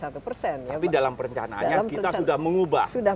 tapi dalam perencanaannya kita sudah mengubah